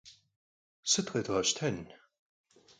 Sıt khêdğeşten?